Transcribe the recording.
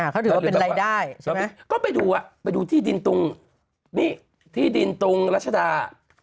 เขาถือว่าเป็นรายได้ใช่ไหมก็ไปดูไปดูที่ดินตรงนี้ที่ดินตรงรัชดา